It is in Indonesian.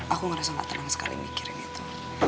aku merasa gak tenang sekali mikirin itu